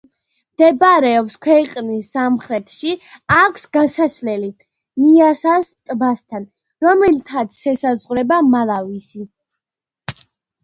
მდებარეობს ქვეყნის სამხრეთში, აქვს გასასვლელი ნიასას ტბასთან, რომლითაც ესაზღვრება მალავის.